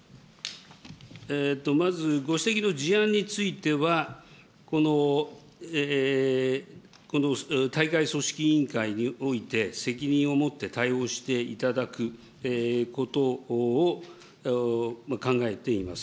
まずご指摘の事案については、この大会組織委員会において、責任を持って対応していただくことを考えています。